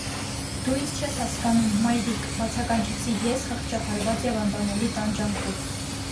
- Դու ինձ չես հասկանում, մա՛յրիկ,- բացականչեցի ես խղճահարված և անտանելի տանջանքով: